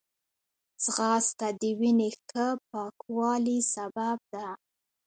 ځغاسته د وینې ښه پاکوالي سبب ده